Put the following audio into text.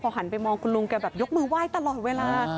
หันไปมองคุณลุงแกแบบยกมือไหว้ตลอดเวลา